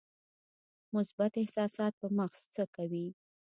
مثبت احساسات په مغز څه کوي؟